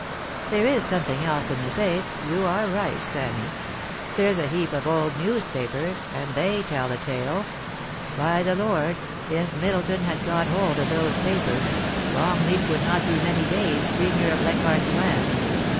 There is something else in the safe — you are right, Sammy. There's a heap of old newspapers, and they tell a tale. By the Lord, if Middleton had got hold of those papers, Longleat would not be many days Premier of Lei chardt's Land.